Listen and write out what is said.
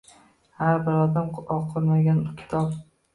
Har bir odam – o‘qilmagan kitob.